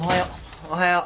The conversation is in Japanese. おはよう。